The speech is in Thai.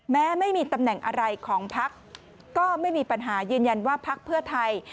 แม้ไม่มีตำแหน่งอะไรของพักก็ไม่มีปัญหายืนยันว่าพักเพื่อไทย